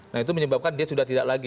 nah itu menyebabkan dia sudah tidak lagi